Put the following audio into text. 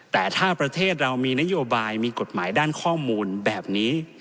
แต่ถ้าประเทศเรามีนโยบายมีกฎหมายด้านข้อมูลแบบนี้